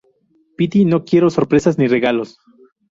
piti, no quiero sorpresas ni regalos